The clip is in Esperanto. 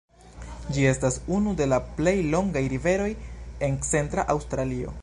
Ĝi estas unu de la plej longaj riveroj en Centra Aŭstralio.